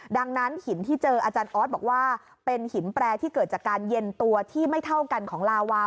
ดังนั้นหินที่เจออาจารย์ออสบอกว่าเป็นหินแปรที่เกิดจากการเย็นตัวที่ไม่เท่ากันของลาวา